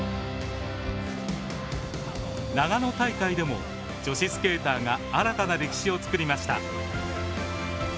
長野大会でも女子スケーターが新たな歴史を作りました。